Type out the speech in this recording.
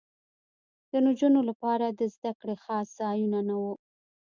د نجونو لپاره د زدکړې خاص ځایونه نه وو